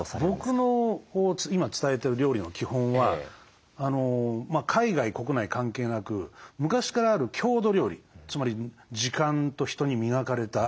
僕の今伝えてる料理の基本は海外国内関係なく昔からある郷土料理つまり時間と人に磨かれた今残ってる郷土料理ですね。